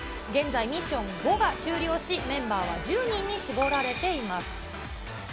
現在、ミッション５が終了し、メンバーは１０人に絞られています。